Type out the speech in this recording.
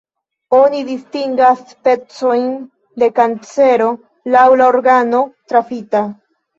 Oni distingas specojn de kancero laŭ la organo trafita.